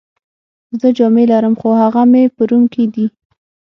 زه جامې لرم، خو هغه مې په روم کي دي.